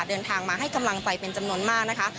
เดินทางมาให้กำลังใจเป็นจำนวนมากนะคะ